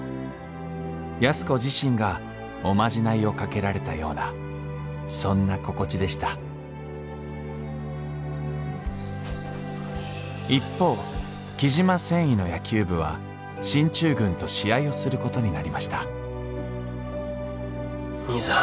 安子自身がおまじないをかけられたようなそんな心地でした一方雉真繊維の野球部は進駐軍と試合をすることになりました兄さん。